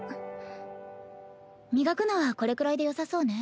磨くのはこれくらいでよさそうね。